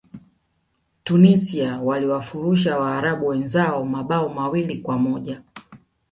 tunisia waliwafurusha waarabu wenzao mabao mawili kwa moja